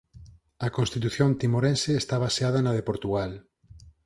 A Constitución timorense está baseada na de Portugal.